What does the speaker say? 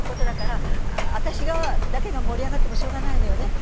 私がだけが盛り上がってもしょうがないのよね。